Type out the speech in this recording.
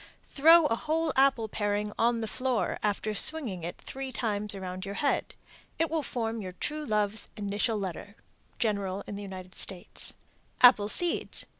Throw a whole apple paring on the floor, after swinging it three times around your head. It will form your true love's initial letter. General in the United States. APPLE SEEDS.